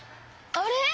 あれ？